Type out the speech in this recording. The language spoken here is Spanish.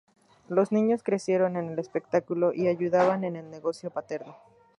Los niños crecieron en el espectáculo y ayudaban en el negocio paterno.